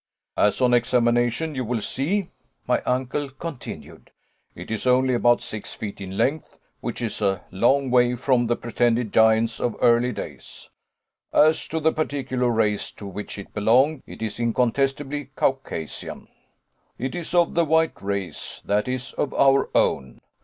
"As on examination you will see," my uncle continued, "it is only about six feet in length, which is a long way from the pretended giants of early days. As to the particular race to which it belonged, it is incontestably Caucasian. It is of the white race, that is, of our own.